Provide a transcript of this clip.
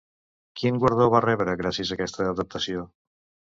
Quin guardó va rebre gràcies a aquesta adaptació?